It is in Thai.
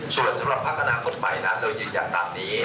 ส่วนสำหรับพักอนาคตใหม่นั้นเรายืนยันตามนี้